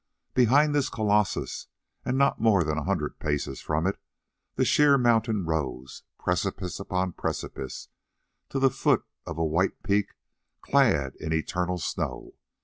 Behind this colossus, and not more than a hundred paces from it, the sheer mountain rose, precipice upon precipice, to the foot of a white peak clad in eternal snow.